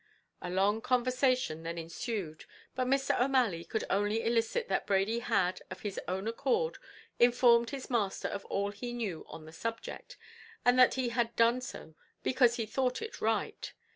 A long conversation then ensued, but Mr. O'Malley could only elicit that Brady had, of his own accord, informed his master of all he knew on the subject, and that he had done so because he thought it right.